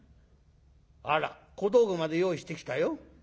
あら小道具まで用意してきたよ。